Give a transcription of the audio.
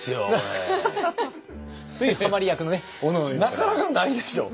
なかなかないでしょ